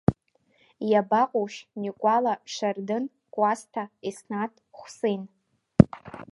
Иабаҟоушь Никәала Шардын, Кәасҭа, Еснаҭ, Хәсин?